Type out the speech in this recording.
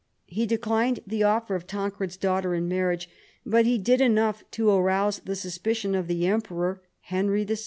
He declined the offer of Tancred's daughter in marriage, but he did enough to arouse the suspicion of the emperor, Henry VI.